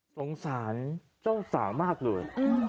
สงสารเจ้าสาวมากเลย